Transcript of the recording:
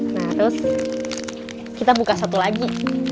nah terus kita buka satu lagi